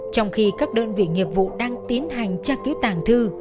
trong khi các đơn vị nghiệp vụ đang tiến hành tra cứu tàng thư